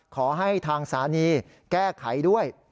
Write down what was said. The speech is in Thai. ขอให้ทางสานีแก้ไขด้วย